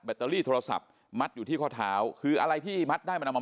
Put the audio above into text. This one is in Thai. เตอรี่โทรศัพท์มัดอยู่ที่ข้อเท้าคืออะไรที่มัดได้มันเอามา